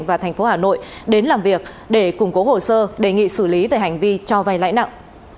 và thành phố hà nội đến làm việc để củng cố hồ sơ đề nghị xử lý về hành vi cho vay lãi nặng